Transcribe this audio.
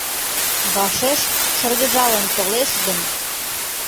Вашеш шыргыжалын толеш гын